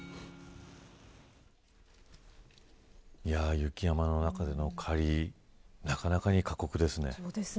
雪山の中での狩りなかなかに過酷ですね。